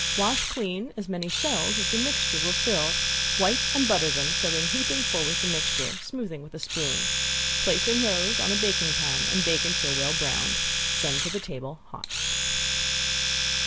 Wash clean as many shells as the mixture will fill, wipe and butter them, fill heaping full with the mixture, smoothing with a spoon. Place in rows in a baking pan and bake until well browned. Send to the table hot.